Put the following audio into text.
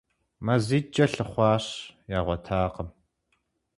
МазитӀкӀэ лъыхъуащ, ягъуэтакъым.